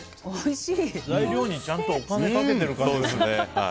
材料にちゃんとお金かけてるからね。